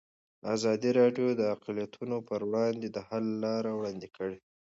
ازادي راډیو د اقلیتونه پر وړاندې د حل لارې وړاندې کړي.